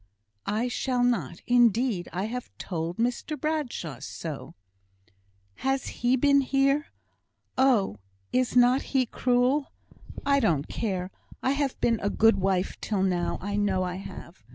"I shall not, indeed. I have told Mr Bradshaw so." "Has he been here? Oh! is not he cruel? I don't care. I've been a good wife till now. I know I have.